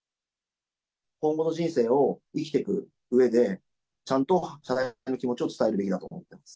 今後の人生を生きてくうえで、ちゃんと謝罪の気持ちを伝えていくべきだと思っています。